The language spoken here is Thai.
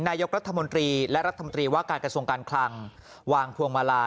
นายกรัฐมนตรีและรัฐมนตรีว่าการกระทรวงการคลังวางพวงมาลา